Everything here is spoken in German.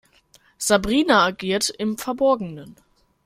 Sabrina agiert im Verborgenen.